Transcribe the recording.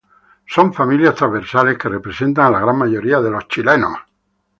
Son familias transversales que representan a la gran mayoría de los chilenos.